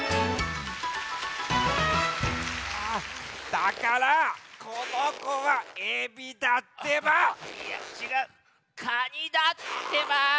だからこのこはエビだってば！いやちがうカニだってば！